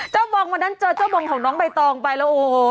บองวันนั้นเจอเจ้าบงของน้องใบตองไปแล้วโอ้โห